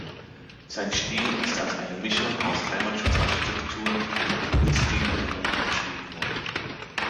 Sein Stil ist als eine Mischung aus Heimatschutzarchitektur mit Jugendstilelementen beschrieben worden.